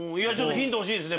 ヒント欲しいですか？